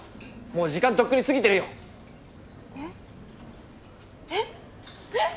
もう時間とっくに過ぎてるよえっ？えっ？